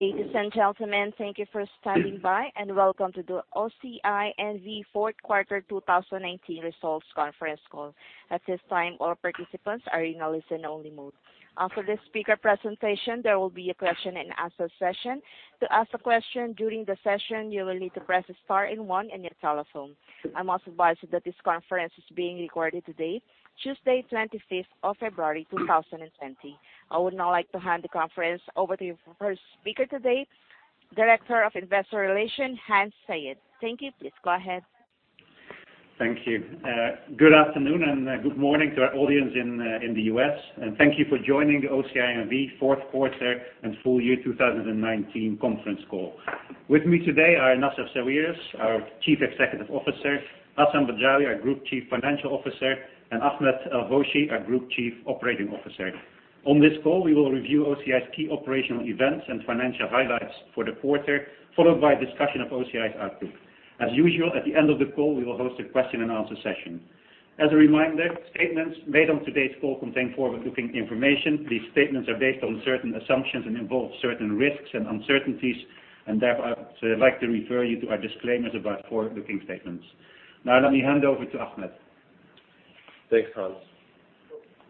Ladies and gentlemen, thank you for standing by, and welcome to the OCI N.V. Fourth Quarter 2019 Results Conference Call. At this time, all participants are in a listen-only mode. After the speaker presentation, there will be a question and answer session. To ask a question during the session, you will need to press S tar and one on your telephone. I must advise you that this conference is being recorded today, Tuesday, 25th of February 2020. I would now like to hand the conference over to our first speaker today, Director of Investor Relations, Hans Zayed. Thank you. Please go ahead. Thank you. Good afternoon and good morning to our audience in the U.S., and thank you for joining the OCI N.V. fourth quarter and full year 2019 conference call. With me today are Nassef Sawiris, our Chief Executive Officer, Hassan Badrawi, our Group Chief Financial Officer, and Ahmed El-Hoshy, our Group Chief Operating Officer. On this call, we will review OCI's key operational events and financial highlights for the quarter, followed by a discussion of OCI's outlook. As usual, at the end of the call, we will host a question and answer session. As a reminder, statements made on today's call contain forward-looking information. These statements are based on certain assumptions and involve certain risks and uncertainties. Therefore, I'd like to refer you to our disclaimers about forward-looking statements. Let me hand over to Ahmed. Thanks, Hans.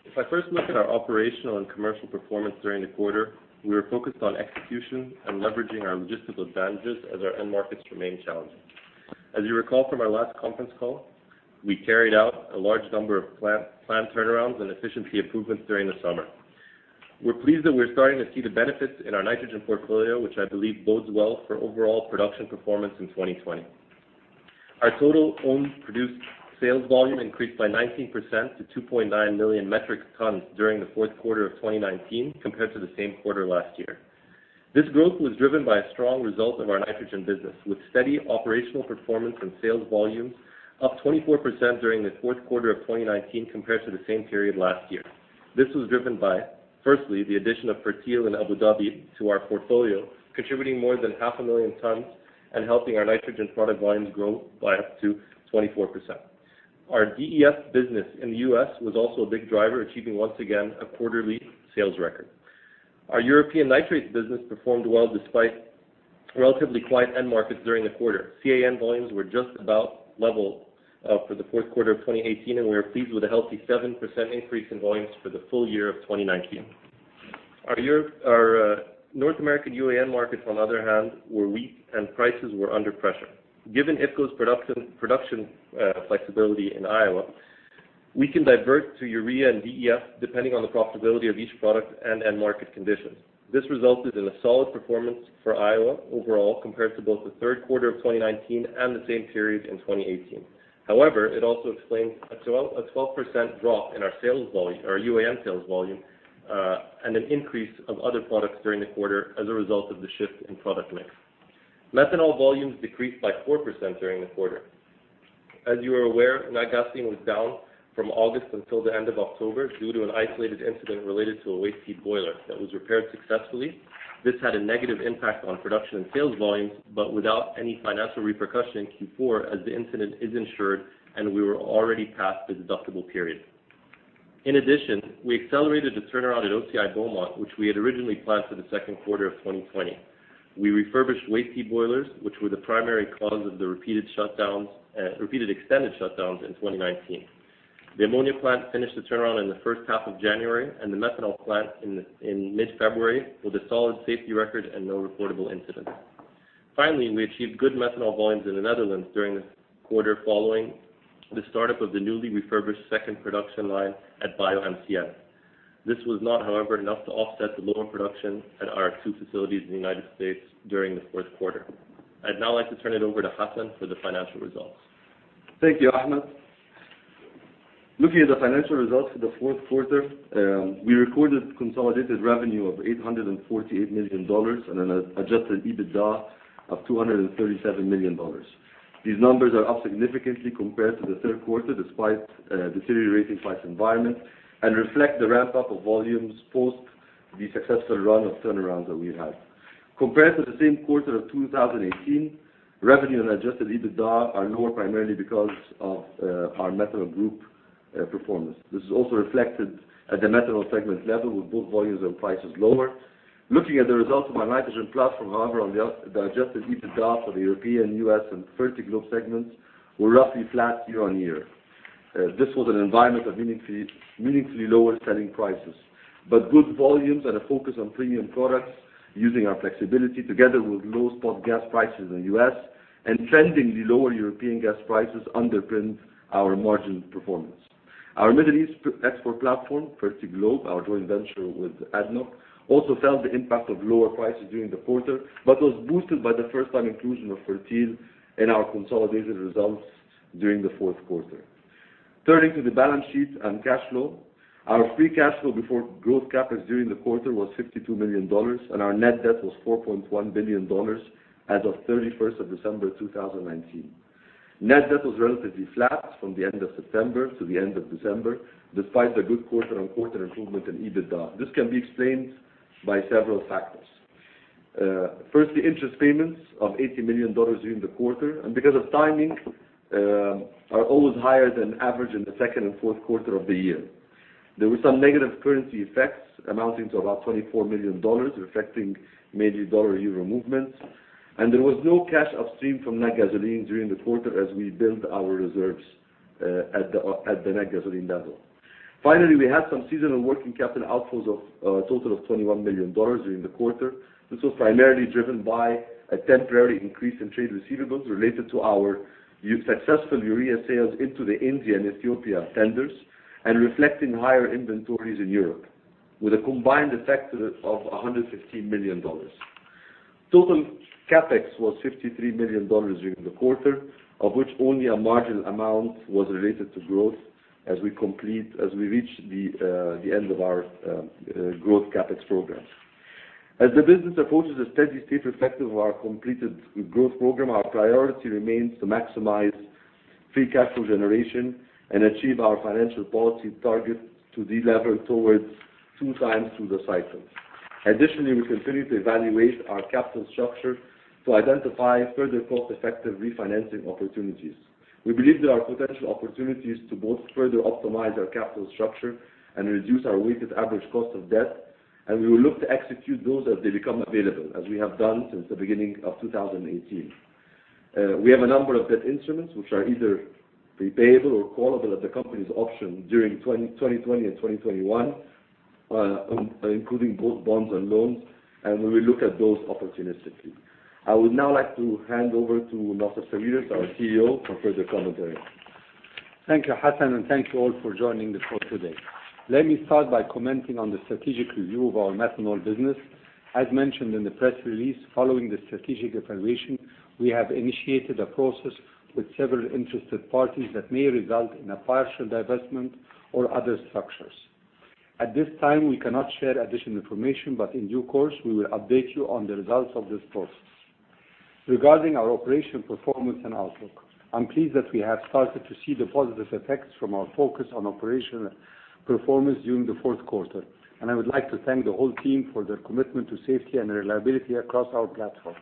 If I first look at our operational and commercial performance during the quarter, we were focused on execution and leveraging our logistical advantages as our end markets remain challenging. As you recall from our last conference call, we carried out a large number of plant turnarounds and efficiency improvements during the summer. We're pleased that we're starting to see the benefits in our nitrogen portfolio, which I believe bodes well for overall production performance in 2020. Our total owned produced sales volume increased by 19% to 2.9 million metric tons during the fourth quarter of 2019 compared to the same quarter last year. This growth was driven by a strong result of our nitrogen business, with steady operational performance and sales volumes up 24% during the fourth quarter of 2019 compared to the same period last year. This was driven by, firstly, the addition of Fertil in Abu Dhabi to our portfolio, contributing more than 500,000 tons and helping our nitrogen product lines grow by up to 24%. Our DEF business in the U.S. was also a big driver, achieving once again a quarterly sales record. Our European nitrates business performed well despite relatively quiet end markets during the quarter. CAN volumes were just about level for the fourth quarter of 2018, and we are pleased with a healthy 7% increase in volumes for the full year of 2019. Our North American UAN markets, on other hand, were weak and prices were under pressure. Given IFCo's production flexibility in Iowa, we can divert to urea and DEF depending on the profitability of each product and end market conditions. This resulted in a solid performance for Iowa overall compared to both the third quarter of 2019 and the same period in 2018. It also explains a 12% drop in our UAN sales volume, and an increase of other products during the quarter as a result of the shift in product mix. Methanol volumes decreased by 4% during the quarter. As you are aware, Natgasoline was down from August until the end of October due to an isolated incident related to a waste heat boiler that was repaired successfully. This had a negative impact on production and sales volumes, but without any financial repercussion in Q4 as the incident is insured and we were already past the deductible period. In addition, we accelerated the turnaround at OCI Beaumont, which we had originally planned for the second quarter of 2020. We refurbished waste heat boilers, which were the primary cause of the repeated extended shutdowns in 2019. The ammonia plant finished the turnaround in the first half of January and the methanol plant in mid-February with a solid safety record and no reportable incidents. Finally, we achieved good methanol volumes in the Netherlands during the quarter following the startup of the newly refurbished second production line at BioMCN. This was not, however, enough to offset the lower production at our two facilities in the United States during the fourth quarter. I'd now like to turn it over to Hassan for the financial results. Thank you, Ahmed. Looking at the financial results for the fourth quarter, we recorded consolidated revenue of $848 million and an adjusted EBITDA of $237 million. These numbers are up significantly compared to the third quarter, despite a deteriorating price environment, and reflect the ramp-up of volumes post the successful run of turnarounds that we had. Compared to the same quarter of 2018, revenue and adjusted EBITDA are lower primarily because of our methanol group performance. This is also reflected at the methanol segment level with both volumes and prices lower. Looking at the results of our nitrogen platform, however, the adjusted EBITDA for the European, U.S., and Fertiglobe segments were roughly flat year-on-year. This was an environment of meaningfully lower selling prices, but good volumes and a focus on premium products using our flexibility together with low spot gas prices in the US and trending the lower European gas prices underpinned our margin performance. Our Middle East export platform, Fertiglobe, our joint venture with ADNOC, also felt the impact of lower prices during the quarter, but was boosted by the first-time inclusion of Fertil in our consolidated results during the fourth quarter. Turning to the balance sheet and cash flow, our free cash flow before growth CapEx during the quarter was $52 million, and our net debt was $4.1 billion as of 31st of December 2019. Net debt was relatively flat from the end of September to the end of December, despite a good quarter-on-quarter improvement in EBITDA. This can be explained by several factors. Firstly, interest payments of $80 million during the quarter, because of timing, are always higher than average in the second and fourth quarter of the year. There were some negative currency effects amounting to about $24 million, affecting mainly dollar-euro movements. There was no cash upstream from Natgasoline during the quarter as we build our reserves at the Natgasoline level. Finally, we had some seasonal working capital outflows of a total of $21 million during the quarter. This was primarily driven by a temporary increase in trade receivables related to our successful urea sales into the India and Ethiopia tenders and reflecting higher inventories in Europe, with a combined effect of $115 million. Total CapEx was $53 million during the quarter, of which only a marginal amount was related to growth as we reach the end of our growth CapEx program. As the business approaches a steady-state reflective of our completed growth program, our priority remains to maximize free cash flow generation and achieve our financial policy target to delever towards two times through the cycle. Additionally, we continue to evaluate our capital structure to identify further cost-effective refinancing opportunities. We believe there are potential opportunities to both further optimize our capital structure and reduce our weighted average cost of debt, and we will look to execute those as they become available, as we have done since the beginning of 2018. We have a number of debt instruments which are either repayable or callable at the company's option during 2020 and 2021, including both bonds and loans, and we will look at those opportunistically. I would now like to hand over to Nassef Sawiris, our CEO, for further commentary. Thank you, Hassan, and thank you all for joining the call today. Let me start by commenting on the strategic review of our methanol business. As mentioned in the press release, following the strategic evaluation, we have initiated a process with several interested parties that may result in a partial divestment or other structures. At this time, we cannot share additional information, but in due course, we will update you on the results of this process. Regarding our operational performance and outlook, I'm pleased that we have started to see the positive effects from our focus on operational performance during the fourth quarter, and I would like to thank the whole team for their commitment to safety and reliability across our platforms.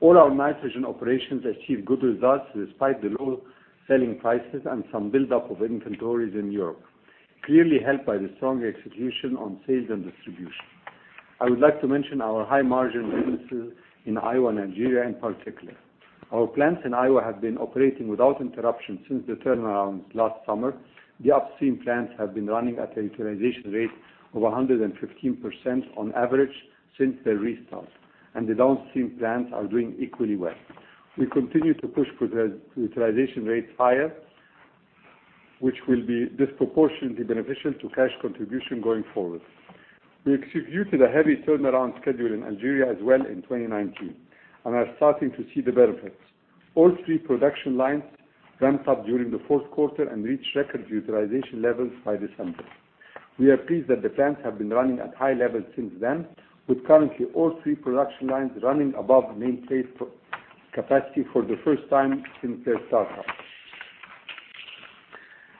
All our nitrogen operations achieved good results despite the low selling prices and some buildup of inventories in Europe, clearly helped by the strong execution on sales and distribution. I would like to mention our high-margin businesses in Iowa and Algeria in particular. Our plants in Iowa have been operating without interruption since the turnarounds last summer. The upstream plants have been running at a utilization rate of 115% on average since their restart, and the downstream plants are doing equally well. We continue to push utilization rates higher, which will be disproportionately beneficial to cash contribution going forward. We executed a heavy turnaround schedule in Algeria as well in 2019 and are starting to see the benefits. All three production lines ramped up during the fourth quarter and reached record utilization levels by December. We are pleased that the plants have been running at high levels since then, with currently all three production lines running above nameplate capacity for the first time since their startup.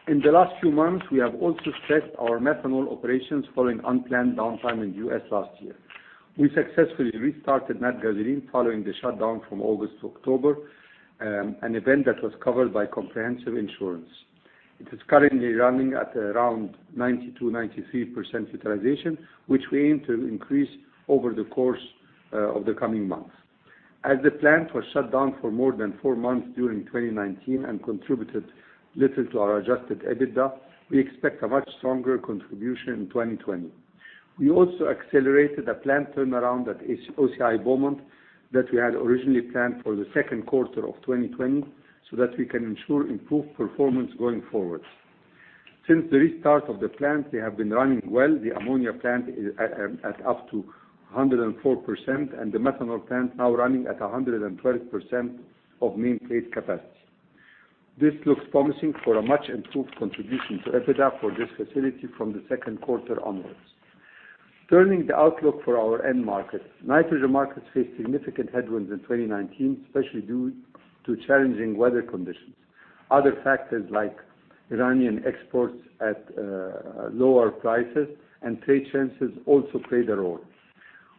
In the last few months, we have also stressed our methanol operations following unplanned downtime in the U.S. last year. We successfully restarted Natgasoline following the shutdown from August to October, an event that was covered by comprehensive insurance. It is currently running at around 92%-93% utilization, which we aim to increase over the course of the coming months. As the plant was shut down for more than four months during 2019 and contributed little to our adjusted EBITDA, we expect a much stronger contribution in 2020. We also accelerated a plant turnaround at OCI Beaumont that we had originally planned for the second quarter of 2020 so that we can ensure improved performance going forward. Since the restart of the plants, they have been running well. The ammonia plant is at up to 104%, and the methanol plant now running at 112% of nameplate capacity. This looks promising for a much improved contribution to EBITDA for this facility from the second quarter onwards. Turning to the outlook for our end markets, nitrogen markets faced significant headwinds in 2019, especially due to challenging weather conditions. Other factors like Iranian exports at lower prices and trade sanctions also played a role.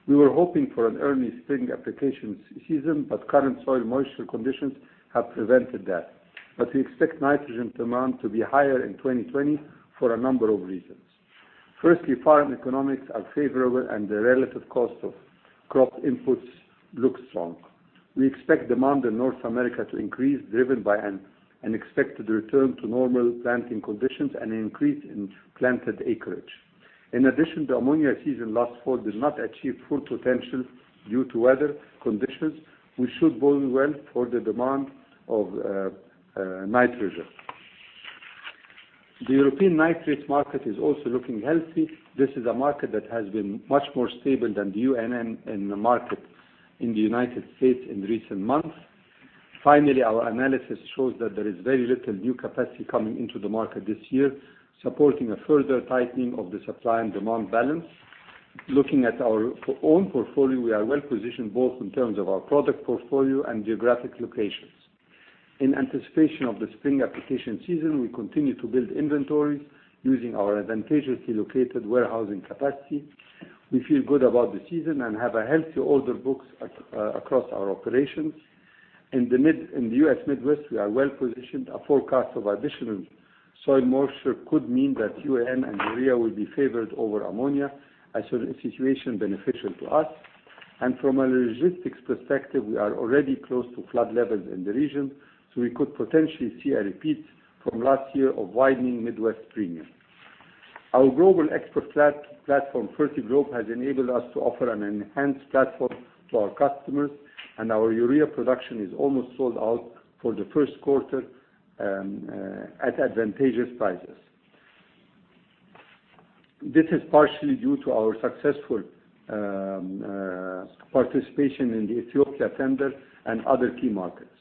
We were hoping for an early spring application season, but current soil moisture conditions have prevented that. We expect nitrogen demand to be higher in 2020 for a number of reasons. Firstly, farm economics are favorable, and the relative cost of crop inputs looks strong. We expect demand in North America to increase, driven by an expected return to normal planting conditions and an increase in planted acreage. In addition, the ammonia season last fall did not achieve full potential due to weather conditions, which should bode well for the demand of nitrogen. The European nitrate market is also looking healthy. This is a market that has been much more stable than the UAN market in the United States in recent months. Finally, our analysis shows that there is very little new capacity coming into the market this year, supporting a further tightening of the supply and demand balance. Looking at our own portfolio, we are well-positioned both in terms of our product portfolio and geographic locations. In anticipation of the spring application season, we continue to build inventories using our advantageously located warehousing capacity. We feel good about the season and have a healthy order book across our operations. In the U.S. Midwest, we are well-positioned. A forecast of additional soil moisture could mean that UAN and urea will be favored over ammonia, a situation beneficial to us. From a logistics perspective, we are already close to flood levels in the region, so we could potentially see a repeat from last year of widening Midwest premiums. Our global export platform, Fertiglobe, has enabled us to offer an enhanced platform to our customers, and our urea production is almost sold out for the first quarter at advantageous prices. This is partially due to our successful participation in the Ethiopia tender and other key markets.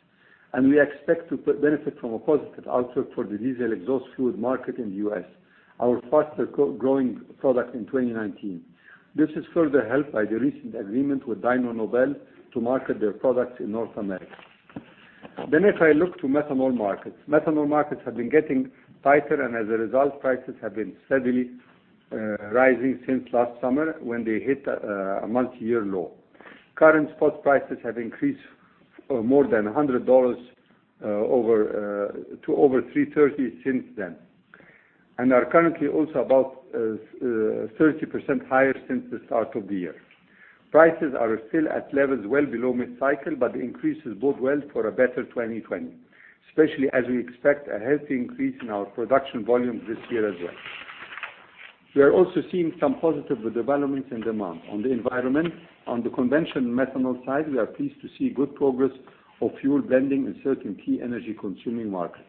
We expect to benefit from a positive outlook for the diesel exhaust fluid market in the U.S., our fastest-growing product in 2019. This is further helped by the recent agreement with Dyno Nobel to market their products in North America. If I look to methanol markets, methanol markets have been getting tighter, and as a result, prices have been steadily rising since last summer when they hit a multi-year low. Current spot prices have increased more than $100 to over 330 since then, and are currently also about 30% higher since the start of the year. Prices are still at levels well below mid-cycle, the increase is bode well for a better 2020, especially as we expect a healthy increase in our production volumes this year as well. We are also seeing some positive developments in demand. On the environment, on the conventional methanol side, we are pleased to see good progress of fuel blending in certain key energy-consuming markets.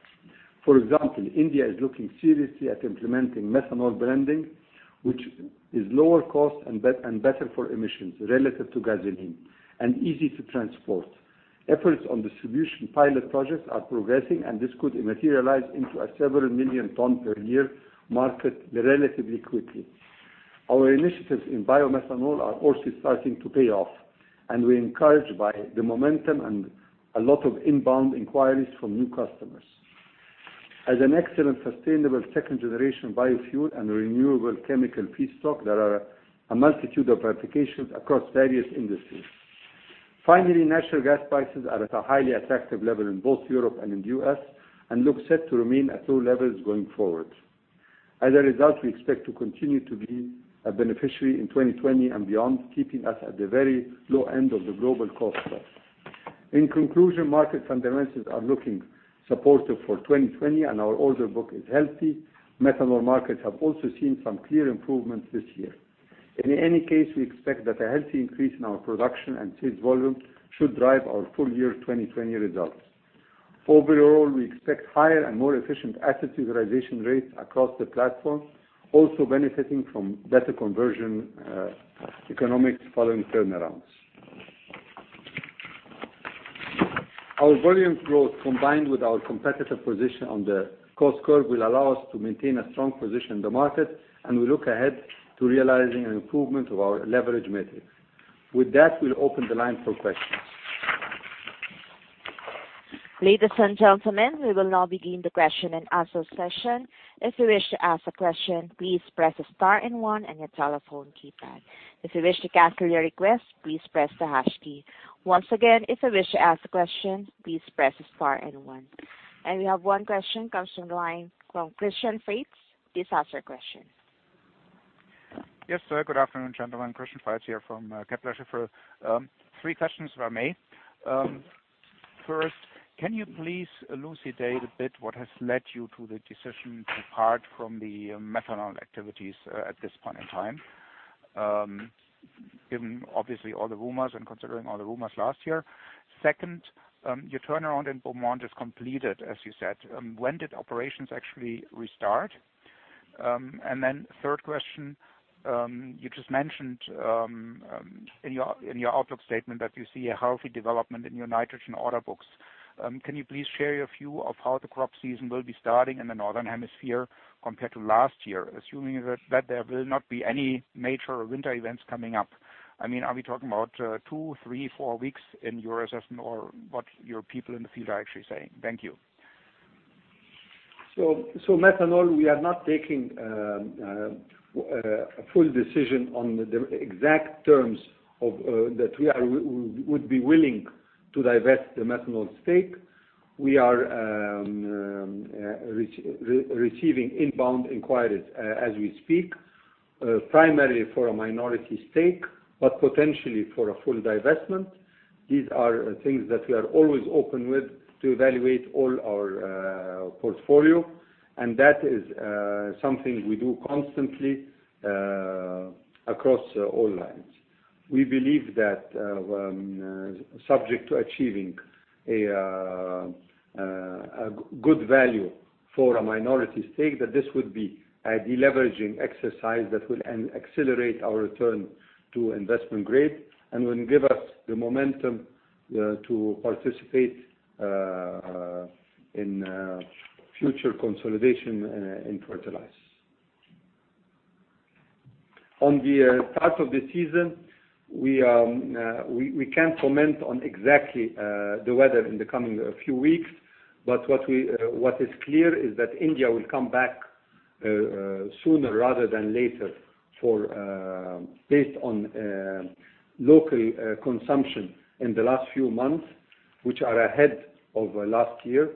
For example, India is looking seriously at implementing methanol blending, which is lower cost and better for emissions relative to gasoline, and easy to transport. Efforts on distribution pilot projects are progressing, and this could materialize into a several million ton per year market relatively quickly. Our initiatives in biomethanol are also starting to pay off, and we're encouraged by the momentum and a lot of inbound inquiries from new customers. As an excellent sustainable second generation biofuel and renewable chemical feedstock, there are a multitude of applications across various industries. Finally, natural gas prices are at a highly attractive level in both Europe and in the U.S., and look set to remain at low levels going forward. As a result, we expect to continue to be a beneficiary in 2020 and beyond, keeping us at the very low end of the global cost curve. In conclusion, market fundamentals are looking supportive for 2020, and our order book is healthy. methanol markets have also seen some clear improvements this year. In any case, we expect that a healthy increase in our production and sales volume should drive our full year 2020 results. Overall, we expect higher and more efficient asset utilization rates across the platform, also benefiting from better conversion economics following turnarounds. Our volume growth, combined with our competitive position on the cost curve, will allow us to maintain a strong position in the market, and we look ahead to realizing an improvement of our leverage metrics. With that, we'll open the line for questions. Ladies and gentlemen, we will now begin the question and answer session. If you wish to ask a question, please press Star and one on your telephone keypad. If you wish to cancel your request, please press the hash key. Once again, if you wish to ask a question, please press Star and one. We have one question comes from line from Christian Faitz. Please ask your question. Yes, sir. Good afternoon, gentlemen. Christian Faitz here from Kepler Cheuvreux. Three questions, if I may. Can you please elucidate a bit what has led you to the decision to part from the methanol activities at this point in time, given obviously all the rumors and considering all the rumors last year? Your turnaround in Beaumont is completed, as you said. When did operations actually restart? Third question, you just mentioned in your outlook statement that you see a healthy development in your nitrogen order books. Can you please share your view of how the crop season will be starting in the northern hemisphere compared to last year, assuming that there will not be any major winter events coming up? Are we talking about two, three, four weeks in your assessment or what your people in the field are actually saying? Thank you. Methanol, we are not taking a full decision on the exact terms that we would be willing to divest the methanol stake. We are receiving inbound inquiries as we speak, primarily for a minority stake, but potentially for a full divestment. These are things that we are always open with to evaluate all our portfolio, and that is something we do constantly across all lines. We believe that, subject to achieving a good value for a minority stake, that this would be a deleveraging exercise that will accelerate our return to investment grade and will give us the momentum to participate in future consolidation in fertilizers. On the start of the season, we can't comment on exactly the weather in the coming few weeks. What is clear is that India will come back sooner rather than later based on local consumption in the last few months, which are ahead of last year.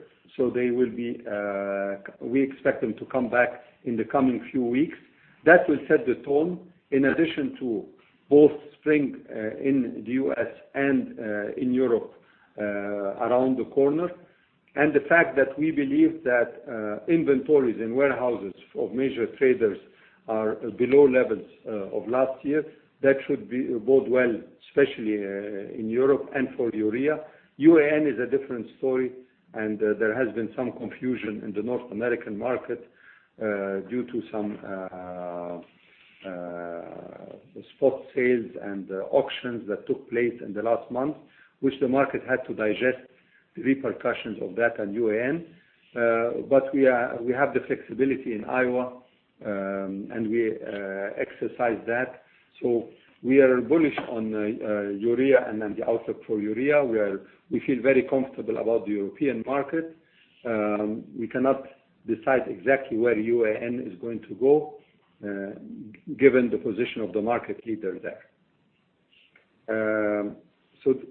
We expect them to come back in the coming few weeks. That will set the tone, in addition to both spring in the U.S. and in Europe around the corner, and the fact that we believe that inventories in warehouses of major traders are below levels of last year. That should bode well, especially in Europe and for urea. UAN is a different story. There has been some confusion in the North American market due to some spot sales and auctions that took place in the last month, which the market had to digest the repercussions of that on UAN. We have the flexibility in Iowa, and we exercise that. We are bullish on urea and the outlook for urea. We feel very comfortable about the European market. We cannot decide exactly where UAN is going to go, given the position of the market leader there.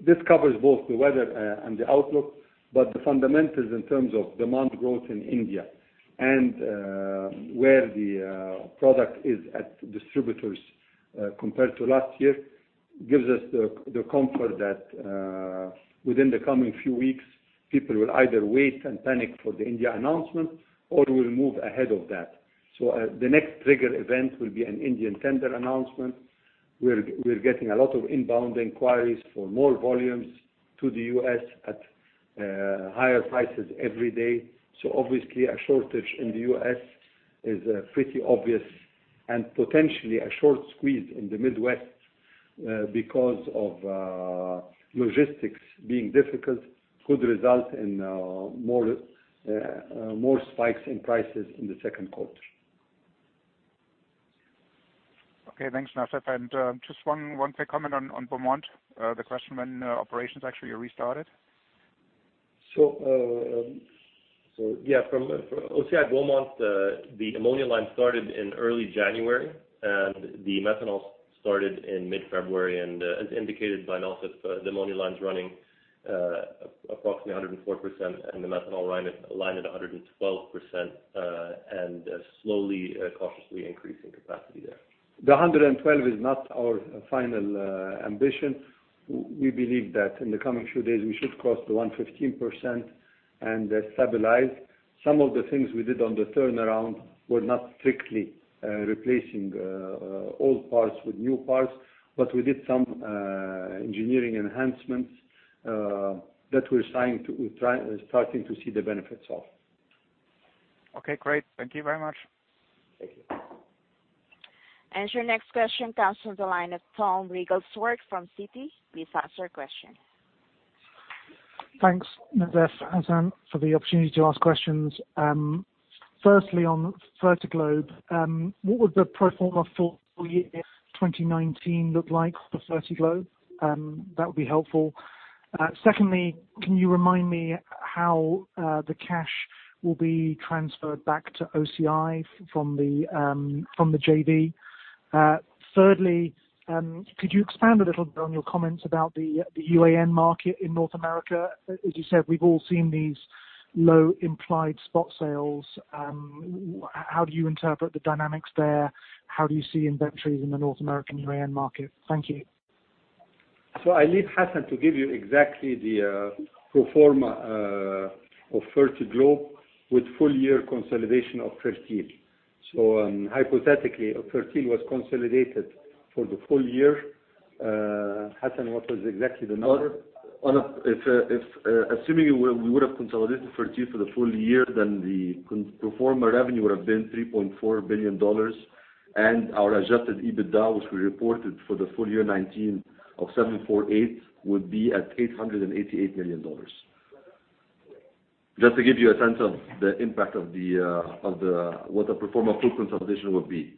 This covers both the weather and the outlook, the fundamentals in terms of demand growth in India and where the product is at distributors compared to last year, gives us the comfort that within the coming few weeks, people will either wait and panic for the India announcement or will move ahead of that. The next trigger event will be an Indian tender announcement. We're getting a lot of inbound inquiries for more volumes to the U.S. at higher prices every day. Obviously a shortage in the U.S. is pretty obvious and potentially a short squeeze in the Midwest because of logistics being difficult, could result in more spikes in prices in the second quarter. Okay. Thanks, Nassef. Just one quick comment on Beaumont, the question when operations actually are restarted. OCI Beaumont, the ammonia line started in early January, and the methanol started in mid-February. As indicated by Nassef, the ammonia line's running approximately 104%, and the methanol line at 112%, and slowly, cautiously increasing capacity there. The 112 is not our final ambition. We believe that in the coming few days, we should cross to 115% and stabilize. Some of the things we did on the turnaround were not strictly replacing old parts with new parts, but we did some engineering enhancements that we are starting to see the benefits of. Okay, great. Thank you very much. Thank you. Your next question comes from the line of Tom Wriglesworth from Citi. Please ask your question. Thanks, Nassef, Hassan, for the opportunity to ask questions. Firstly, on Fertiglobe, what would the pro forma for full year 2019 look like for Fertiglobe? That would be helpful. Secondly, can you remind me how the cash will be transferred back to OCI from the JV? Thirdly, could you expand a little bit on your comments about the UAN market in North America? As you said, we've all seen these low implied spot sales. How do you interpret the dynamics there? How do you see inventories in the North American UAN market? Thank you. I leave Hassan to give you exactly the pro forma of Fertiglobe with full year consolidation of Fertil. Hypothetically, if Fertil was consolidated for the full year, Hassan, what was exactly the number? If assuming we would have consolidated Fertil for the full year, then the pro forma revenue would have been $3.4 billion, and our adjusted EBITDA, which we reported for the full year 2019 of $748, would be at $888 million. Just to give you a sense of the impact of what the pro forma full consolidation would be.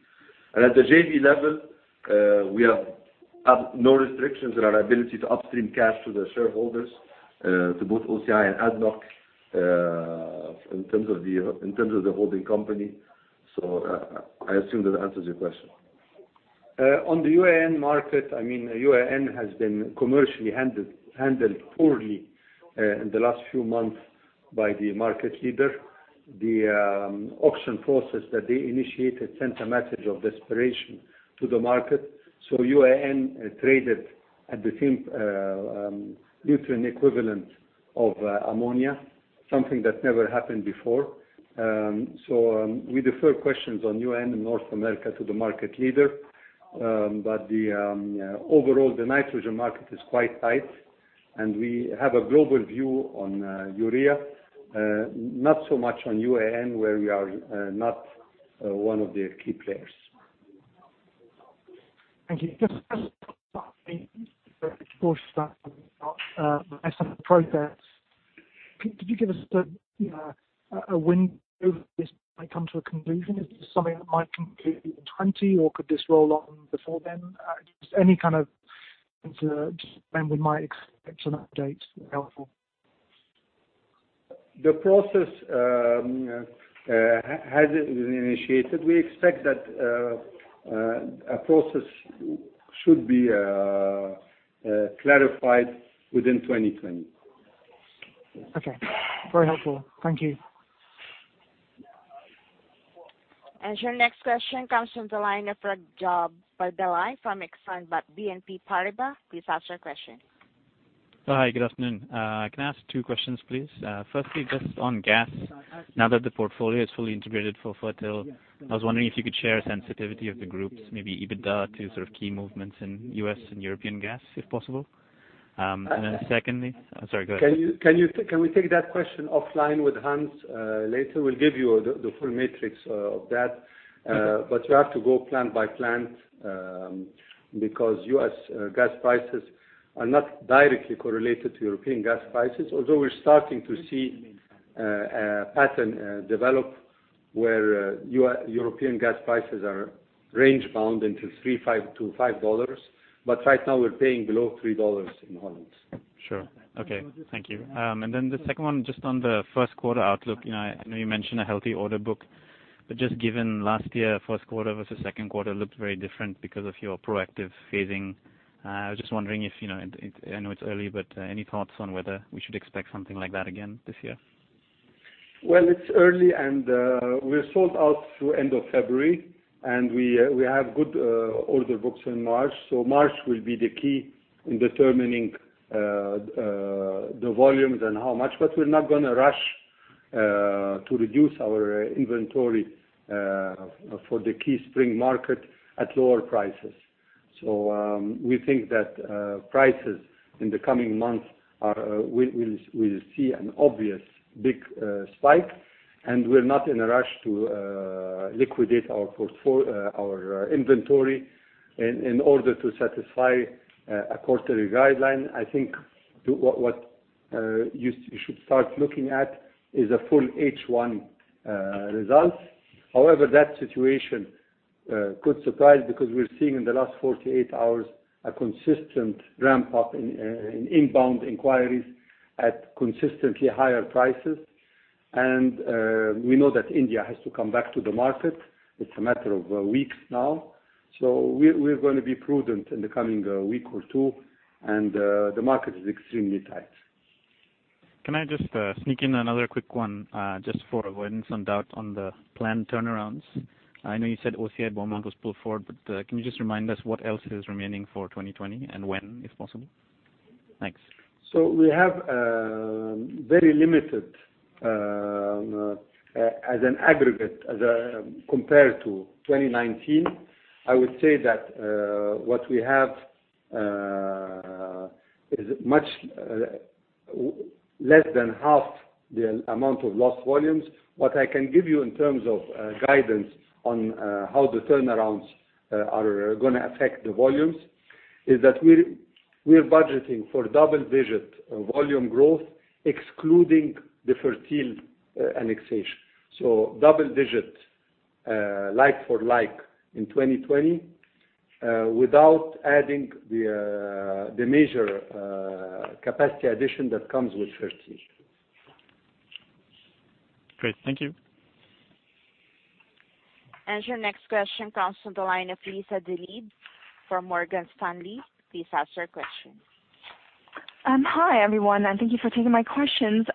At the JV level, we have no restrictions on our ability to upstream cash to the shareholders, to both OCI and ADNOC, in terms of the holding company. I assume that answers your question. On the UAN market, UAN has been commercially handled poorly in the last few months by the market leader. The auction process that they initiated sent a message of desperation to the market. UAN traded at the nutrient equivalent of ammonia, something that never happened before. We defer questions on UAN in North America to the market leader. Overall, the nitrogen market is quite tight, and we have a global view on urea, not so much on UAN, where we are not one of the key players. Thank you. Just process. Could you give us a window when this might come to a conclusion? Is this something that might conclude in 2020, or could this roll on before then? Just any kind of insight when we might expect an update would be helpful. The process has been initiated. We expect that a process should be clarified within 2020. Okay. Very helpful. Thank you. Your next question comes from the line of Rajesh Bélay from Exane BNP Paribas. Please ask your question. Hi, good afternoon. Can I ask two questions, please? Firstly, just on gas. Now that the portfolio is fully integrated for Fertil, I was wondering if you could share a sensitivity of the group's, maybe EBITDA, to sort of key movements in U.S. and European gas, if possible. I'm sorry, go ahead. Can we take that question offline with Hans later? We'll give you the full metrics of that. We have to go plant by plant, because U.S. gas prices are not directly correlated to European gas prices. We're starting to see a pattern develop where European gas prices are range-bound until $3-$5. Right now, we're paying below $3 in Holland. Sure. Okay. Thank you. The second one, just on the first quarter outlook. I know you mentioned a healthy order book, just given last year, first quarter versus second quarter looked very different because of your proactive phasing. I was just wondering if, I know it's early, any thoughts on whether we should expect something like that again this year? Well, it's early and we're sold out through end of February, and we have good order books in March. March will be the key in determining the volumes and how much. We're not going to rush to reduce our inventory for the key spring market at lower prices. We think that prices in the coming months will see an obvious big spike, and we're not in a rush to liquidate our inventory in order to satisfy a quarterly guideline. I think what you should start looking at is a full H1 result. However, that situation could surprise because we're seeing in the last 48 hours a consistent ramp up in inbound inquiries at consistently higher prices. We know that India has to come back to the market. It's a matter of weeks now. We're going to be prudent in the coming week or two, and the market is extremely tight. Can I just sneak in another quick one? Just for avoiding some doubt on the planned turnarounds, I know you said OCI Beaumont was pulled forward, can you just remind us what else is remaining for 2020 and when, if possible? Thanks. We have very limited, as an aggregate, compared to 2019. I would say that what we have is much less than half the amount of lost volumes. What I can give you in terms of guidance on how the turnarounds are going to affect the volumes, is that we're budgeting for double-digit volume growth, excluding the Fertil annexation. Double-digit like for like in 2020, without adding the major capacity addition that comes with Fertil. Great. Thank you. Your next question comes from the line of Lisa Delid from Morgan Stanley. Please ask your question. Hi, everyone, and thank you for taking my questions.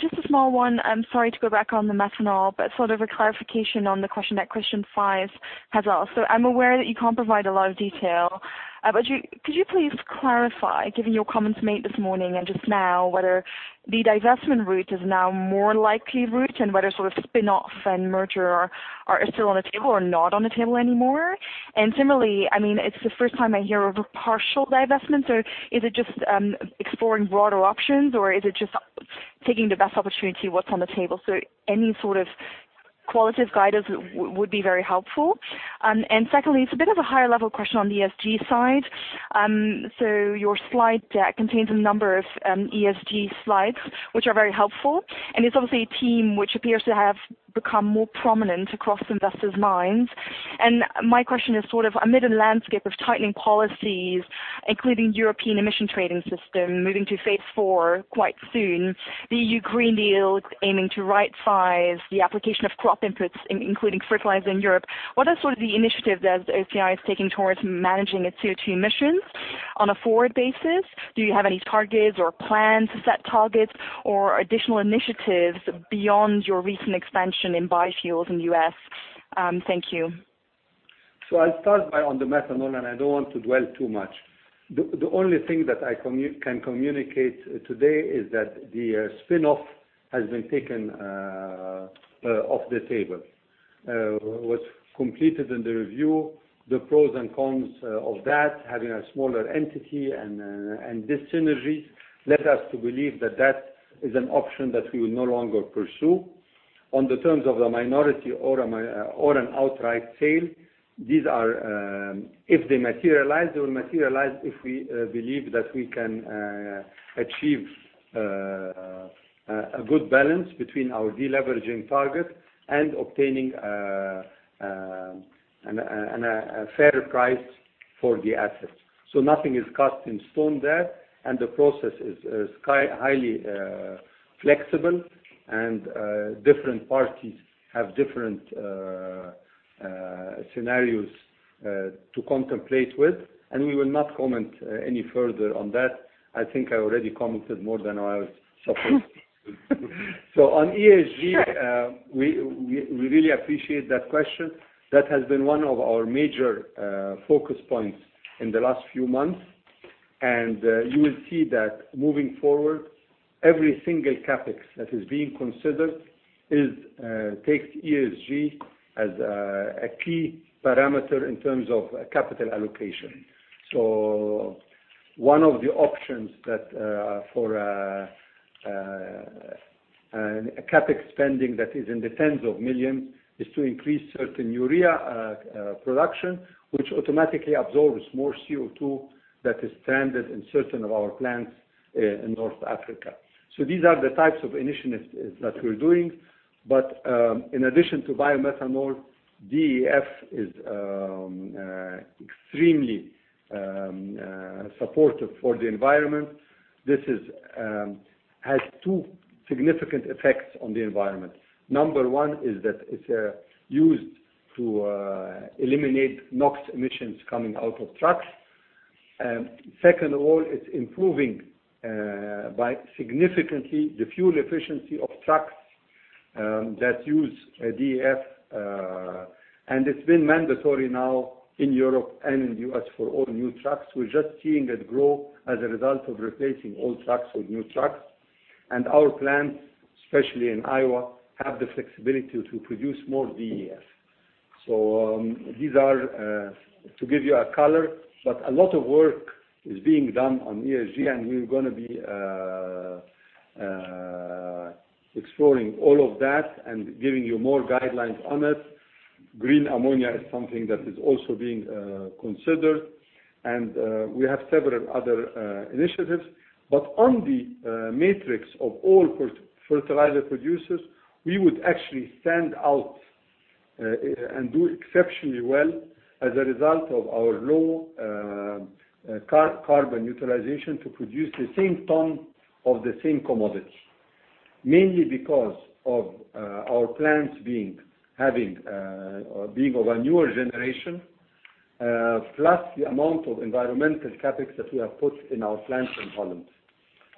Just a small one. I am sorry to go back on the methanol, but sort of a clarification on the question that question five had asked. I am aware that you cannot provide a lot of detail. Could you please clarify, given your comments made this morning and just now, whether the divestment route is now more likely route and whether sort of spin-off and merger are still on the table or not on the table anymore? Similarly, it is the first time I hear of a partial divestment, so is it just exploring broader options, or is it just taking the best opportunity what is on the table? Any sort of qualitative guidance would be very helpful. Secondly, it is a bit of a higher level question on the ESG side. Your slide deck contains a number of ESG slides, which are very helpful, and it's obviously a theme which appears to have become more prominent across investors' minds. My question is sort of amid a landscape of tightening policies, including European Union Emissions Trading System, moving to phase four quite soon, the European Green Deal aiming to right size the application of crop inputs, including fertilizer in Europe, what are some of the initiatives that OCI is taking towards managing its CO2 emissions on a forward basis? Do you have any targets or plans to set targets or additional initiatives beyond your recent expansion in biofuels in U.S.? Thank you. I'll start by on the methanol, and I don't want to dwell too much. The only thing that I can communicate today is that the spin-off has been taken off the table. Was completed in the review. The pros and cons of that, having a smaller entity and the synergies led us to believe that that is an option that we will no longer pursue. On the terms of the minority or an outright sale, if they materialize, they will materialize if we believe that we can achieve a good balance between our de-leveraging target and obtaining a fair price for the assets. Nothing is cast in stone there, and the process is highly flexible and different parties have different scenarios to contemplate with, and we will not comment any further on that. I think I already commented more than I was supposed to. On ESG, we really appreciate that question. You will see that moving forward, every single CapEx that is being considered takes ESG as a key parameter in terms of capital allocation. One of the options that for a CapEx spending that is in the $tens of millions is to increase certain urea production, which automatically absorbs more CO2, that is stranded in certain of our plants in North Africa. These are the types of initiatives that we're doing. In addition to biomethanol, DEF is extremely supportive for the environment. This has two significant effects on the environment. Number 1 is that it's used to eliminate NOx emissions coming out of trucks. Second of all, it's improving by significantly the fuel efficiency of trucks that use DEF, and it's been mandatory now in Europe and in the U.S. for all new trucks. We're just seeing it grow as a result of replacing old trucks with new trucks. Our plants, especially in Iowa, have the flexibility to produce more DEF. These are to give you a color, but a lot of work is being done on ESG, and we're going to be exploring all of that and giving you more guidelines on it. Green ammonia is something that is also being considered, and we have several other initiatives. On the matrix of all fertilizer producers, we would actually stand out and do exceptionally well as a result of our low carbon utilization to produce the same ton of the same commodity. Mainly because of our plants being of a newer generation, plus the amount of environmental CapEx that we have put in our plants in Holland.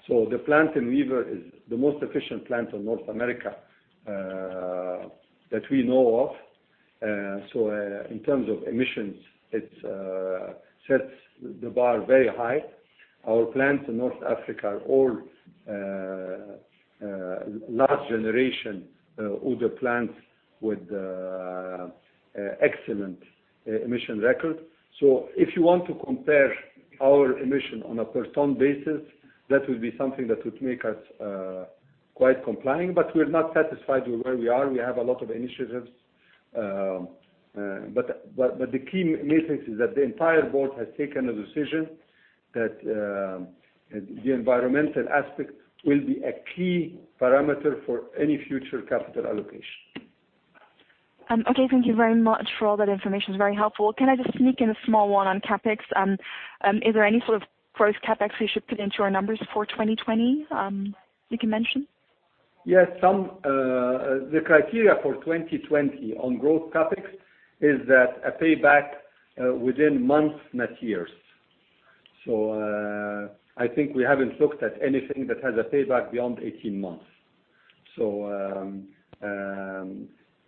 The plant in Wever is the most efficient plant in North America that we know of. In terms of emissions, it sets the bar very high. Our plants in North Africa are all last generation, older plants with excellent emission record. If you want to compare our emission on a per ton basis, that will be something that would make us quite complying. We're not satisfied with where we are. We have a lot of initiatives. The key matrix is that the entire board has taken a decision that the environmental aspect will be a key parameter for any future capital allocation. Okay. Thank you very much for all that information. It's very helpful. Can I just sneak in a small one on CapEx? Is there any sort of growth CapEx we should put into our numbers for 2020 you can mention? Yes. The criteria for 2020 on growth CapEx is that a payback within months, not years. I think we haven't looked at anything that has a payback beyond 18 months.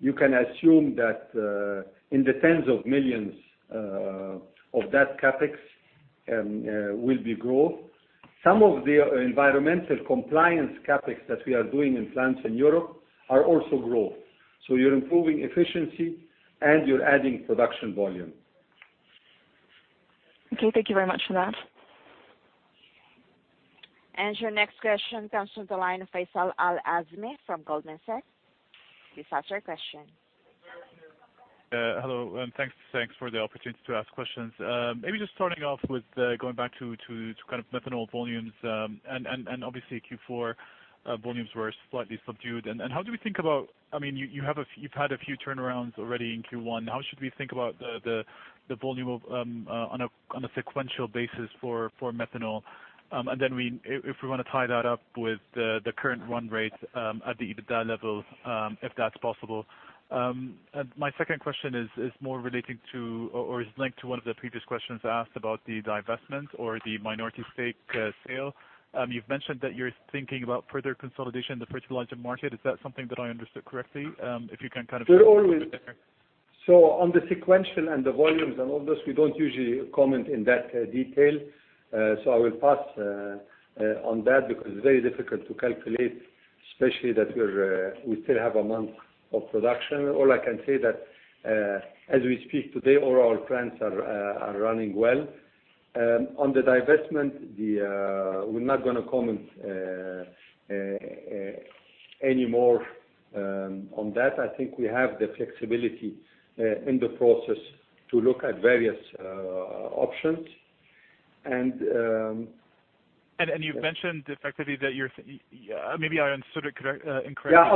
You can assume that in the tens of millions of that CapEx will be growth. Some of the environmental compliance CapEx that we are doing in plants in Europe are also growth. You're improving efficiency, and you're adding production volume. Okay. Thank you very much for that. Your next question comes from the line of Faisal Al-Azmeh from Goldman Sachs. Please ask your question. Hello, thanks for the opportunity to ask questions. Maybe just starting off with going back to methanol volumes, obviously Q4 volumes were slightly subdued. How do we think about, you've had a few turnarounds already in Q1. How should we think about the volume on a sequential basis for methanol? Then if we want to tie that up with the current run rate at the EBITDA level, if that's possible. My second question is linked to one of the previous questions asked about the divestment or the minority stake sale. You've mentioned that you're thinking about further consolidation in the fertilizer market. Is that something that I understood correctly? On the sequential and the volumes and all this, we don't usually comment in that detail. I will pass on that because it's very difficult to calculate, especially that we still have a month of production. All I can say that as we speak today, all our plants are running well. On the divestment, we're not going to comment anymore on that. I think we have the flexibility in the process to look at various options. You've mentioned effectively that Maybe I understood it incorrectly. Yeah.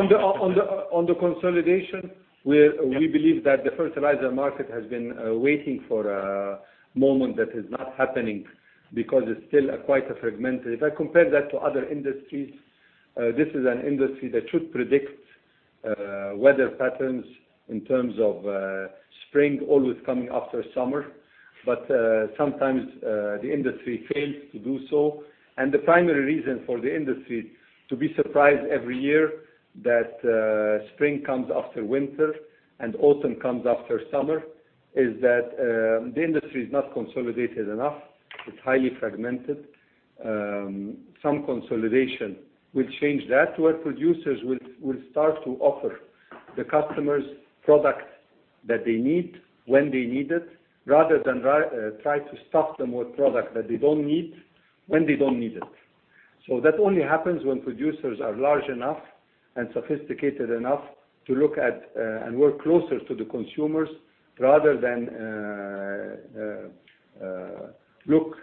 On the consolidation, we believe that the fertilizer market has been waiting for a moment that is not happening because it's still quite fragmented. If I compare that to other industries, this is an industry that should predict weather patterns in terms of spring always coming after summer. Sometimes the industry fails to do so. The primary reason for the industry to be surprised every year that spring comes after winter and autumn comes after summer, is that the industry is not consolidated enough. It's highly fragmented. Some consolidation will change that, where producers will start to offer the customers product that they need when they need it, rather than try to stuff them with product that they don't need when they don't need it. That only happens when producers are large enough and sophisticated enough to look at and work closer to the consumers rather than look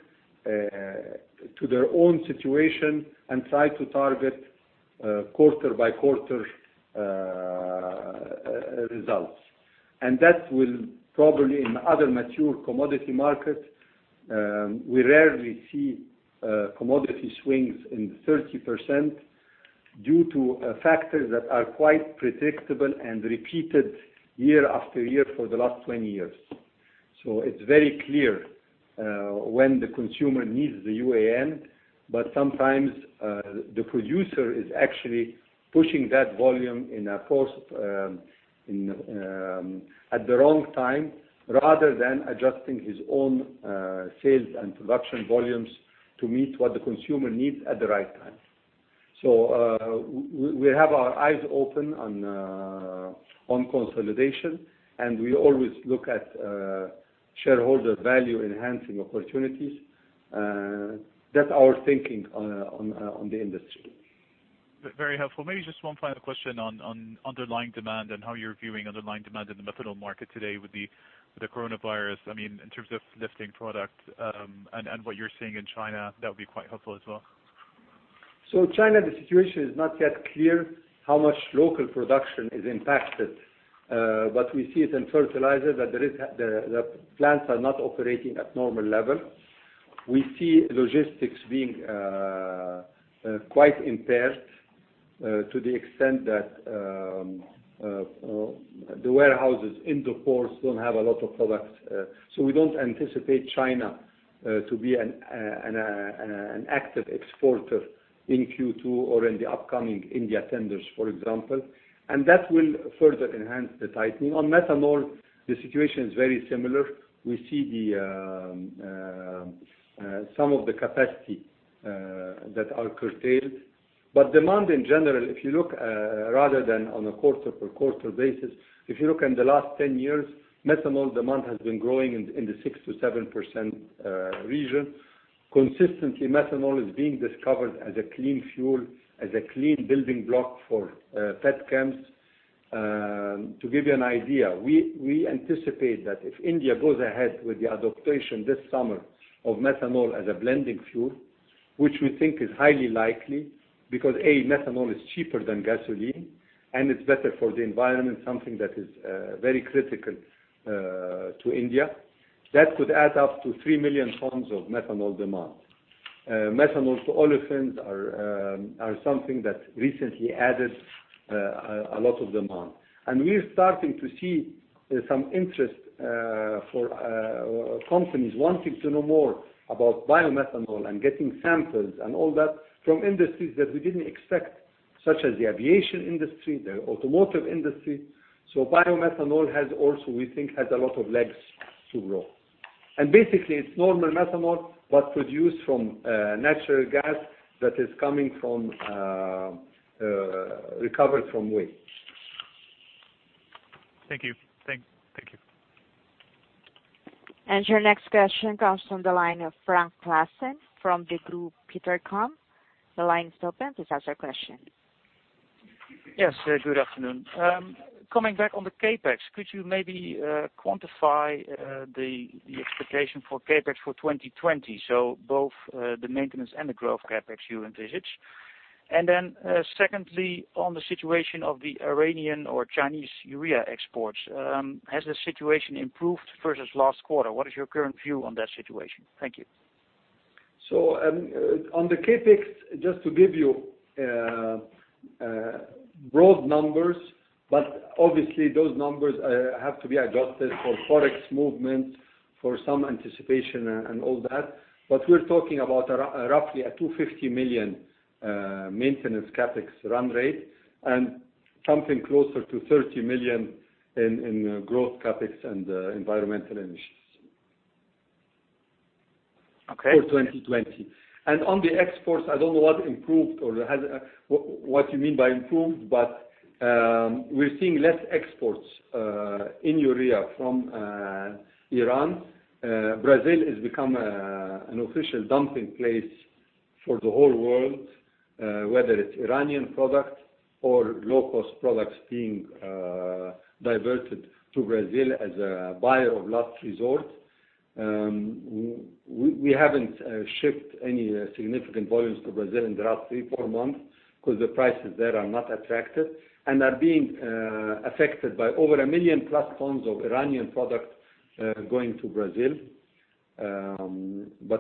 to their own situation and try to target quarter-by-quarter results. That will probably, in other mature commodity markets, we rarely see commodity swings in 30% due to factors that are quite predictable and repeated year after year for the last 20 years. It's very clear when the consumer needs the UAN, but sometimes the producer is actually pushing that volume at the wrong time rather than adjusting his own sales and production volumes to meet what the consumer needs at the right time. We have our eyes open on consolidation, and we always look at shareholder value-enhancing opportunities. That's our thinking on the industry. Very helpful. Maybe just one final question on underlying demand and how you're viewing underlying demand in the methanol market today with the coronavirus. I mean, in terms of lifting product, and what you're seeing in China. That would be quite helpful as well. China, the situation is not yet clear how much local production is impacted. We see it in fertilizer that the plants are not operating at normal levels. We see logistics being quite impaired, to the extent that the warehouses in the ports don't have a lot of products. We don't anticipate China to be an active exporter in Q2 or in the upcoming India tenders, for example. That will further enhance the tightening. On methanol, the situation is very similar. We see some of the capacity that are curtailed. Demand in general, if you look rather than on a quarter-per-quarter basis, if you look in the last 10 years, methanol demand has been growing in the 6%-7% region. Consistently, methanol is being discovered as a clean fuel, as a clean building block for petchems. To give you an idea, we anticipate that if India goes ahead with the adaptation this summer of methanol as a blending fuel, which we think is highly likely because, A. methanol is cheaper than gasoline, and it's better for the environment, something that is very critical to India. That could add up to three million tons of methanol demand. Methanol to olefins are something that recently added a lot of demand. We're starting to see some interest for companies wanting to know more about biomethanol and getting samples and all that from industries that we didn't expect, such as the aviation industry, the automotive industry. Biomethanol has also, we think, has a lot of legs to grow. Basically it's normal methanol, but produced from natural gas that is recovered from waste. Thank you. Your next question comes from the line of Frank Claassen from Degroof Petercam. The line is open, please ask your question. Yes, good afternoon. Coming back on the CapEx, could you maybe quantify the expectation for CapEx for 2020? Both the maintenance and the growth CapEx you envisage. Secondly, on the situation of the Iranian or Chinese urea exports. Has the situation improved versus last quarter? What is your current view on that situation? Thank you. On the CapEx, just to give you broad numbers, but obviously those numbers have to be adjusted for Forex movement, for some anticipation and all that. We're talking about roughly a $250 million maintenance CapEx run rate and something closer to $30 million in growth CapEx and environmental initiatives. Okay. For 2020. On the exports, I don't know what you mean by improved, but we're seeing less exports in urea from Iran. Brazil has become an official dumping place for the whole world, whether it's Iranian product or low-cost products being diverted to Brazil as a buyer of last resort. We haven't shipped any significant volumes to Brazil in the last three, four months because the prices there are not attractive and are being affected by over a million plus tons of Iranian product going to Brazil.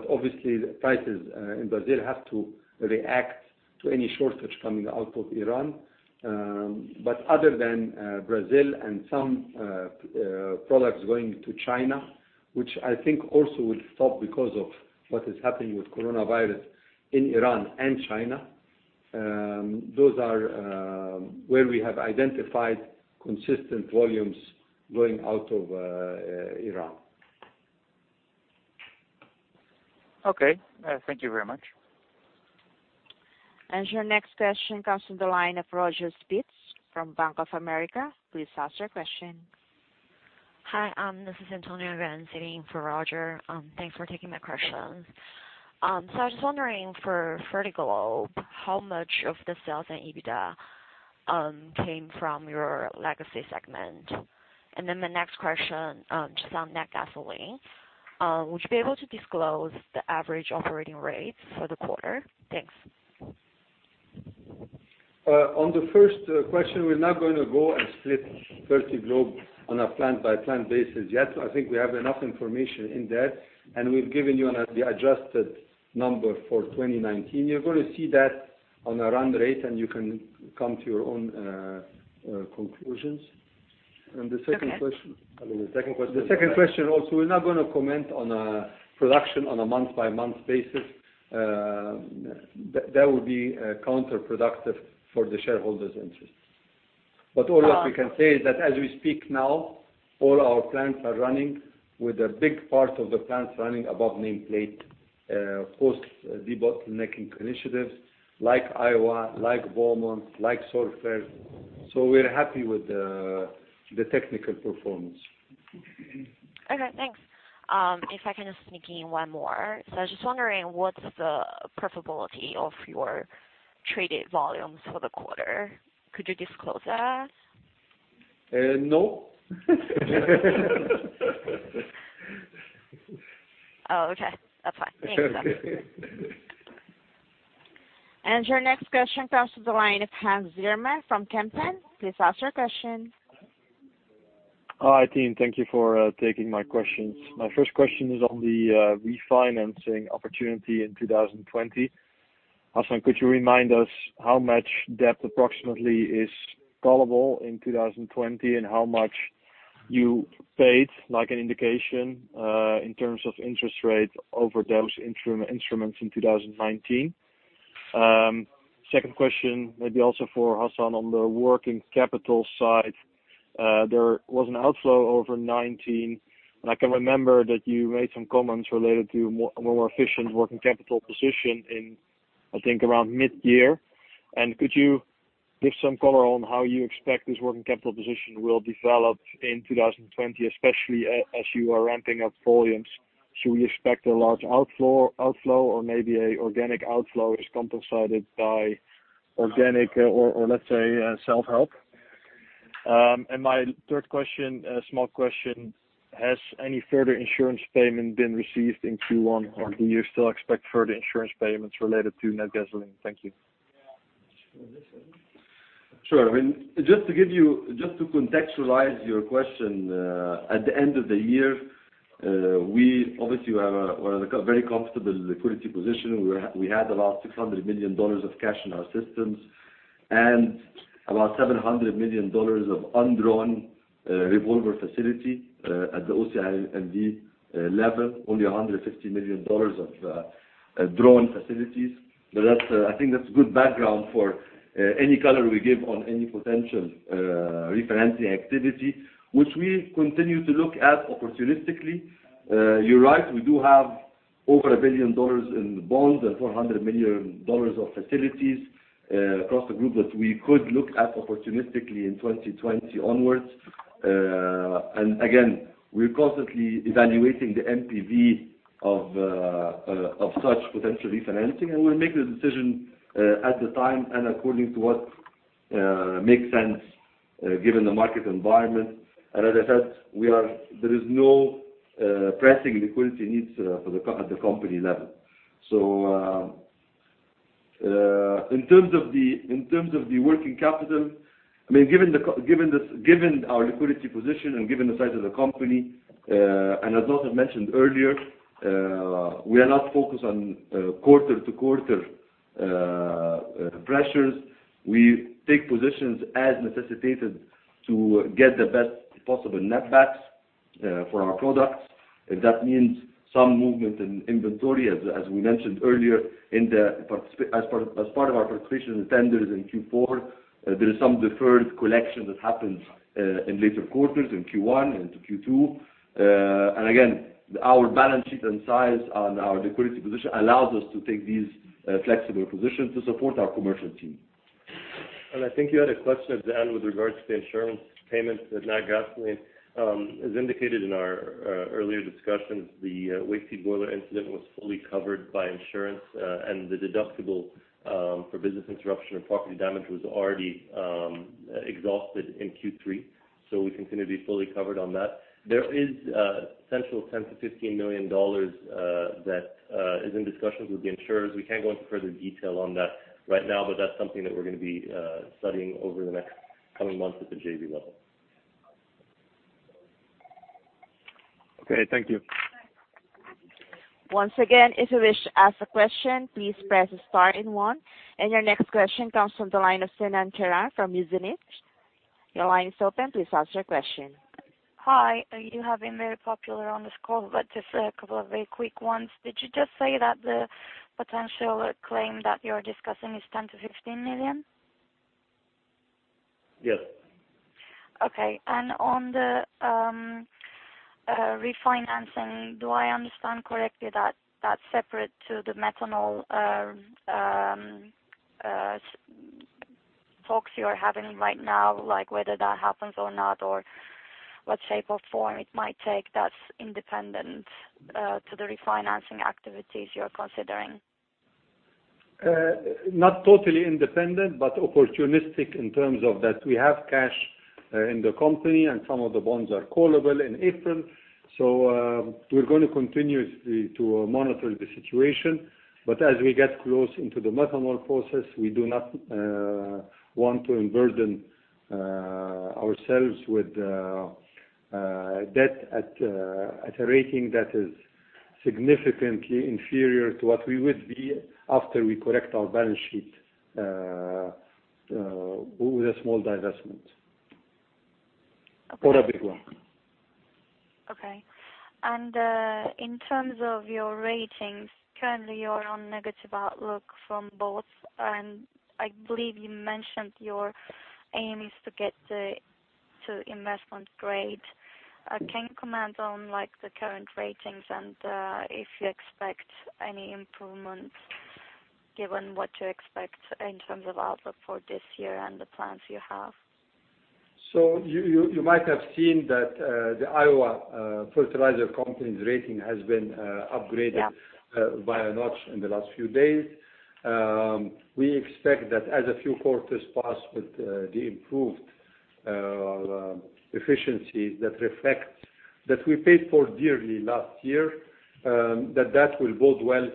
Obviously, the prices in Brazil have to react to any shortage coming out of Iran. Other than Brazil and some products going to China, which I think also will stop because of what is happening with coronavirus in Iran and China. Those are where we have identified consistent volumes going out of Iran. Okay. Thank you very much. Your next question comes from the line of Roger Spitz from Bank of America. Please ask your question. Hi, this is Antonio Ren sitting for Roger. Thanks for taking my question. I was just wondering for Fertiglobe, how much of the sales and EBITDA, came from your legacy segment? My next question, just on Natgasoline. Would you be able to disclose the average operating rates for the quarter? Thanks. On the first question, we're not going to go and split Fertiglobe on a plant-by-plant basis yet. I think we have enough information in there, and we've given you the adjusted number for 2019. You're going to see that on a run rate, you can come to your own conclusions. The second question? Okay. The second question, we're not going to comment on production on a month-by-month basis. That would be counterproductive for the shareholders' interests. All that we can say is that as we speak now, all our plants are running with a big part of the plants running above nameplate, post de-bottlenecking initiatives like Iowa, like Beaumont, like Safi. We're happy with the technical performance. Okay, thanks. If I can just sneak in one more. I was just wondering, what's the profitability of your traded volumes for the quarter? Could you disclose that? No. Oh, okay. That's fine. Thanks. Your next question comes to the line of Hans Zierman from Kempen. Please ask your question. Hi, team. Thank you for taking my questions. My first question is on the refinancing opportunity in 2020. Hassan, could you remind us how much debt approximately is callable in 2020 and how much you paid, like an indication, in terms of interest rate over those instruments in 2019? Second question, maybe also for Hassan. On the working capital side, there was an outflow over 2019, and I can remember that you made some comments related to more efficient working capital position in, I think, around mid-year. Could you give some color on how you expect this working capital position will develop in 2020, especially as you are ramping up volumes? Should we expect a large outflow or maybe an organic outflow is compensated by organic or let's say, self-help? My third question, a small question. Has any further insurance payment been received in Q1, or do you still expect further insurance payments related to Natgasoline? Thank you. Sure. To contextualize your question, at the end of the year, we obviously were at a very comfortable liquidity position. We had about $600 million of cash in our systems and about $700 million of undrawn revolver facility at the OCI N.V. level, only $150 million of drawn facilities. I think that's good background for any color we give on any potential refinancing activity, which we continue to look at opportunistically. You're right, we do have over a billion dollars in bonds and $400 million of facilities across the group that we could look at opportunistically in 2020 onwards. Again, we're constantly evaluating the NPV of such potential refinancing, and we'll make the decision at the time and according to what makes sense given the market environment. As I said, there is no pressing liquidity needs at the company level. In terms of the working capital, given our liquidity position and given the size of the company, and as Nassef mentioned earlier, we are not focused on quarter-to-quarter pressures. We take positions as necessitated to get the best possible net backs for our products. If that means some movement in inventory, as we mentioned earlier, as part of our participation in tenders in Q4, there is some deferred collection that happens in later quarters, in Q1 into Q2. Again, our balance sheet and size and our liquidity position allows us to take these flexible positions to support our commercial team. I think you had a question at the end with regards to the insurance payments at Natgasoline. As indicated in our earlier discussions, the waste heat boiler incident was fully covered by insurance, and the deductible for business interruption or property damage was already exhausted in Q3. We continue to be fully covered on that. There is a potential $10 million-$15 million that is in discussions with the insurers. We can't go into further detail on that right now, but that's something that we're going to be studying over the next coming months at the JV level. Okay, thank you. Once again, if you wish to ask a question, please press Star and one. Your next question comes from the line of Senan Teran from Uzinit. Your line is open. Please ask your question. Hi, you have been very popular on this call, but just a couple of very quick ones. Did you just say that the potential claim that you're discussing is $10 million-$15 million? Yes. Okay. On the refinancing, do I understand correctly that's separate to the methanol talks you're having right now, like whether that happens or not, or what shape or form it might take that's independent to the refinancing activities you're considering? Not totally independent, opportunistic in terms of that we have cash in the company and some of the bonds are callable in April. We're going to continuously to monitor the situation. As we get close into the methanol process, we do not want to overburden ourselves with debt at a rating that is significantly inferior to what we would be after we correct our balance sheet with a small divestment or a big one. Okay. In terms of your ratings, currently, you are on negative outlook from both. I believe you mentioned your aim is to get to investment grade. Can you comment on the current ratings and if you expect any improvement given what you expect in terms of outlook for this year and the plans you have? You might have seen that the Iowa Fertilizer Company's rating has been upgraded. Yeah by a notch in the last few days. We expect that as a few quarters pass with the improved efficiency that we paid for dearly last year, that that will bode well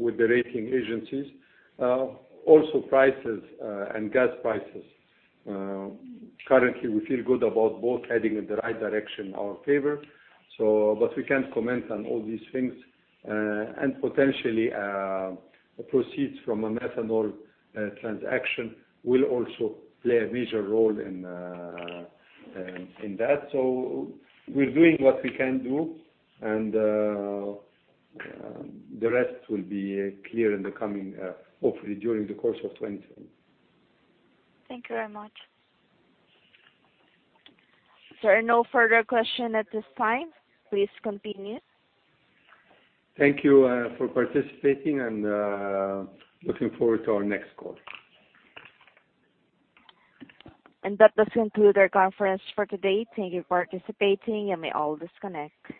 with the rating agencies. Also prices and gas prices, currently we feel good about both heading in the right direction, our favor. We can't comment on all these things. Potentially, proceeds from a methanol transaction will also play a major role in that. We're doing what we can do, and the rest will be clear hopefully during the course of 2020. Thank you very much. There are no further questions at this time. Please continue. Thank you for participating, and looking forward to our next call. That does conclude our conference for today. Thank you for participating, and may all disconnect.